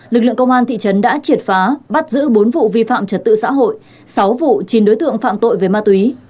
lực lượng công an thị trấn đã triệt phá bắt giữ bốn vụ vi phạm trật tự xã hội sáu vụ chín đối tượng phạm tội về ma túy